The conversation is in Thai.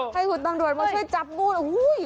ให้คุณตำรวจมาช่วยจับงูโอ้โห